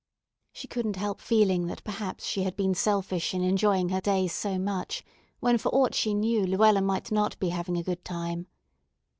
She couldn't help feeling that perhaps she had been selfish in enjoying her day so much when for aught she knew Luella might not be having a good time.